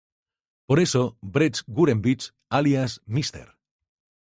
Por eso, Brett Gurewitz, alias Mr.